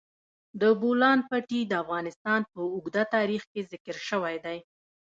د بولان پټي د افغانستان په اوږده تاریخ کې ذکر شوی دی.